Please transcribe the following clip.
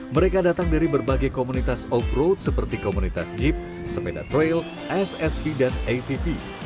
mereka datang dari berbagai komunitas off road seperti komunitas jeep sepeda trail ssv dan atv